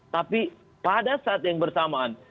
tapi pada saat yang bersamaan